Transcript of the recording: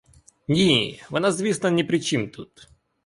Ні, вона, звісно, не при чім тут!